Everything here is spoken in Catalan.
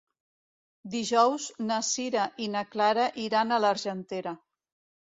Dijous na Sira i na Clara iran a l'Argentera.